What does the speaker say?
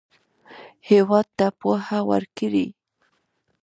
هېواد ته پوهه ورکړئ